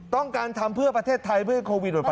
ต้องการทำเพื่อประเทศไทยเพื่อให้โควิดออกไป